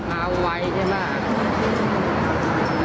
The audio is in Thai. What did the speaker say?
เอาไว้ได้มาก